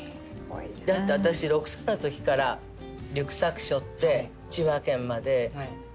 だって私６歳のときからリュックサックしょって。